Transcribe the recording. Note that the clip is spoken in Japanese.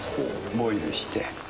ボイルして。